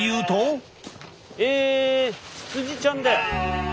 ええ羊ちゃんだ。